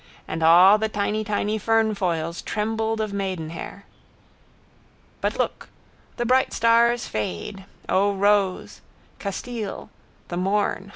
And all the tiny tiny fernfoils trembled of maidenhair. But look. The bright stars fade. O rose! Castile. The morn.